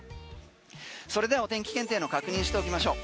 それではお天気検定の確認しておきましょう。